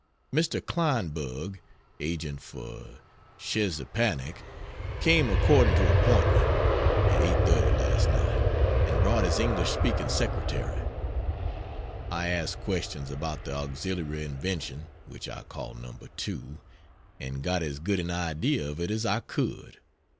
Mr. Kleinberg [agent for Sczezepanik] came according to appointment, at 8.30 last night, and brought his English speaking Secretary. I asked questions about the auxiliary invention (which I call "No. 2 ") and got as good an idea of it as I could.